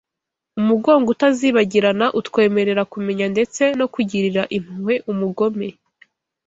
umugongo utazibagirana utwemerera kumenya ndetse no kugirira impuhwe umugome